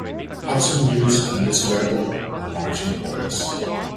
Hudson News and Liz Claiborne are large employers.